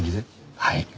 はい。